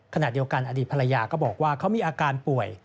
ขณะเดียวกันอดีตภรรยาก็บอกว่าเขามีอาการป่วย